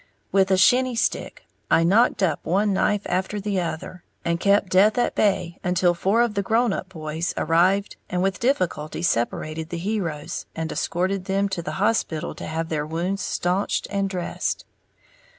With a shinny stick, I knocked up one knife after the other, and kept death at bay until four of the grown up boys arrived and with difficulty separated the heroes and escorted them to the hospital to have their wounds staunched and dressed.